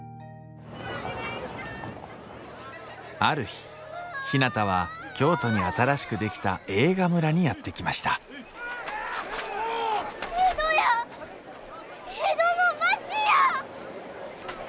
ある日ひなたは京都に新しく出来た映画村にやって来ました江戸や。